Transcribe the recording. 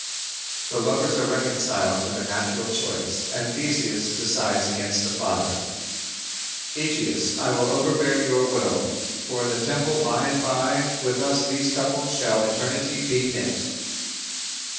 "_ The lovers are reconciled to their natural choice, and Theseus decides against the father: _"Egeus, I will overbear your will, For in the temple by and by, with us These couples shall eternally be knit."